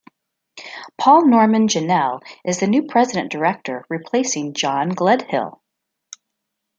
Paul Norman Janelle is the new president director, replacing John Gledhill.